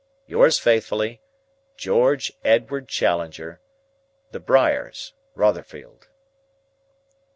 "Yours faithfully, "GEORGE EDWARD CHALLENGER. "THE BRIARS, ROTHERFIELD."